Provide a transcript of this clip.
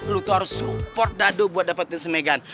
lu tuh harus support dado buat dapetin se megan